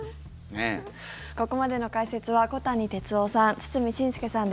ここまでの解説は小谷哲男さん